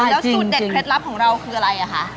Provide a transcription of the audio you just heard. แล้วสูตรเด็ดเคล็ดลับของเราคืออะไรอ่ะคะ